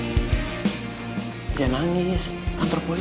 captur ini douche dan nggak usah behind the screephan